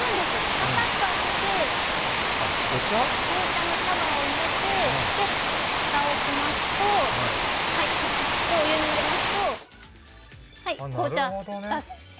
パカッと開けて紅茶の茶葉を入れて蓋をしますと、それでお湯に入れますと紅茶。